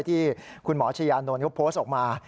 ที่คุณหมอชายานนท์เขาโพสต์ออกมา